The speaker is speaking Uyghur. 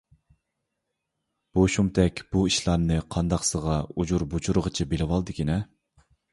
بۇ شۇمتەك بۇ ئىشنى قانداقسىغا ئۇجۇر - بۇجۇرىغىچە بىلىۋالدىكىنە؟